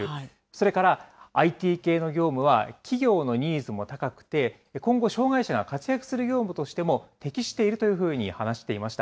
それからＩＴ系の業務は、企業のニーズも高くて、今後、障害者が活躍する業務としても適しているというふうにも話していました。